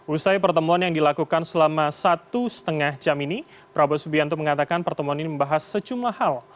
usai pertemuan yang dilakukan selama satu setengah jam ini prabowo subianto mengatakan pertemuan ini membahas sejumlah hal